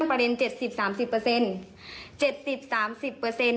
ประเด็น๗๐๓๐